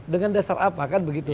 dengan dasar apa kan begitu